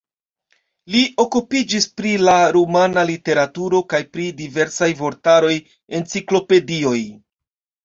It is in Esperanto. Li okupiĝis pri la rumana literaturo kaj pri diversaj vortaroj, enciklopedioj.